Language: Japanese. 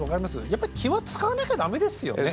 やっぱり気は遣わなきゃダメですよね。